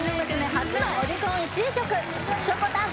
初のオリコン１位曲しょこたん